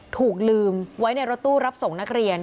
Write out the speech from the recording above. ถูกลืมไว้ในรถตู้รับส่งนักเรียน